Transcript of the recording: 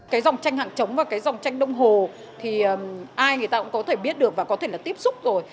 cái dòng tranh hạng trống và cái dòng tranh đông hồ thì ai người ta cũng có thể biết được và có thể là tiếp xúc rồi